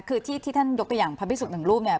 คือที่ท่านยกตัวอย่างพระพิสุทธิหนึ่งรูปเนี่ย